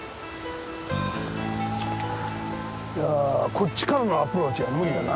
こっちからのアプローチは無理だな。